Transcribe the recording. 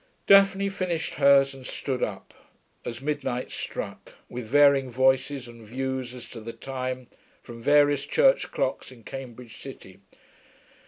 Daphne finished hers and stood up, as midnight struck, with varying voices and views as to the time, from various church clocks in Cambridge city.